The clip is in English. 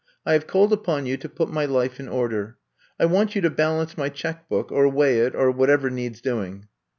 I have called upon you to put my life in order. I want you to bal ance my check book or weigh it or what ever needs doing.